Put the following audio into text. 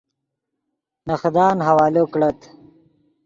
نے خدان حوالو کڑت